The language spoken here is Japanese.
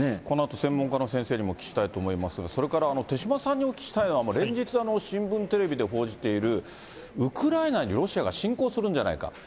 このあと専門家の先生にもお聞きしたいと思いますが、それから手嶋さんにお聞きしたいのは連日、新聞、テレビで報じている、ウクライナにロシアが侵攻するんじゃないか。